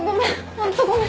ホントごめん。